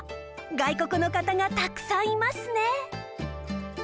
外国の方がたくさんいますね